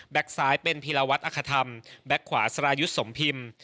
แบ็กซ้ายเป็นพิราวัตอคธรรมแบ็กขวาสรายุสสมพิม